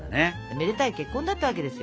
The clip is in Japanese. めでたい結婚だったわけですよ。